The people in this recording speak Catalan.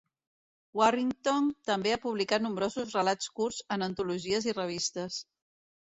Warrington també ha publicat nombrosos relats curts en antologies i revistes.